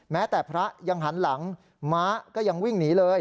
แม้แต่พระยังหันหลังม้าก็ยังวิ่งหนีเลย